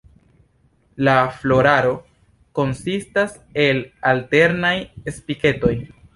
La floraro konsistas el alternaj spiketoj.